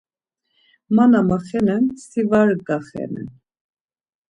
Ma na maxenen, si var gaxenen.